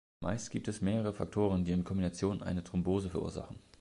Meist gibt es mehrere Faktoren, die in Kombination eine Thrombose verursachen.